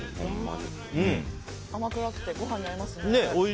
甘くなくてご飯に合いますね。